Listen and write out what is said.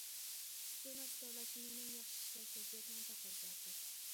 ئۇچۇرنى ئاشكارىلاشنى يەنىمۇ ياخشى ئىشلەش ۋەزىيەتنىڭ تەقەززاسى.